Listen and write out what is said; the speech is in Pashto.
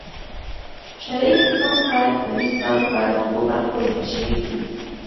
شرعي احکام په ټوليز ډول پر دوو برخو وېشل سوي دي.